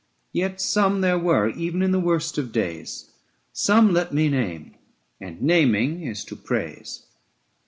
Yet some there were even in the worst of days; 815 Some let me name, and naming is to praise.